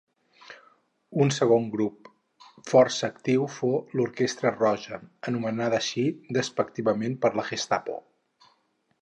Un segon grup força actiu fou l'Orquestra Roja, anomenada així despectivament per la Gestapo.